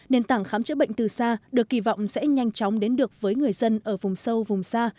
nền tảng khám chữa bệnh từ xa được kỳ vọng sẽ nhanh chóng đến được với người dân ở vùng sâu vùng xa